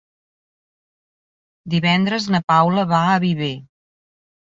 Divendres na Paula va a Viver.